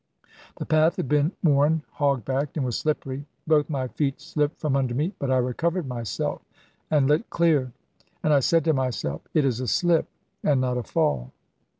The path had been worn hog backed and was slippery. Both my feet slipped from under me, but I recovered myself and lit clear; and I said to myself, ' It is a slip, and not a fall.'